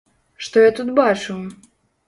Што я тут бачу?